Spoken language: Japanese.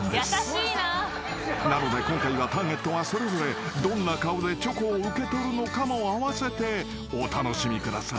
［なので今回はターゲットがそれぞれどんな顔でチョコを受け取るのかも併せてお楽しみください］